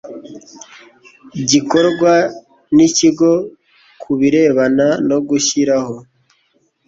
gikorwa n ikigo ku birebana no gushyiraho